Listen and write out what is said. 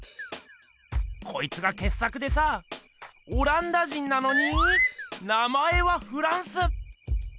こいつがけっ作でさオランダ人なのに名前はフランス！